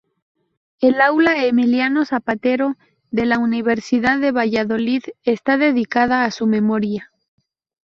El aula Emilio Zapatero, de la Universidad de Valladolid, está dedicada a su memoria.